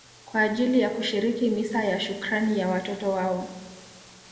kwa ajili ya kushiriki misa ya shukrani ya watoto wao